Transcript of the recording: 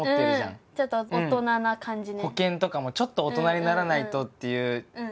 保険とかもちょっと大人にならないとっていう。